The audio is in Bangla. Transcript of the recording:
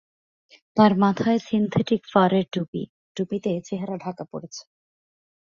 তাঁর মাথায় সিনথেটিক ফারের টুপি, টুপিতে চেহারা ঢাকা পড়েছে।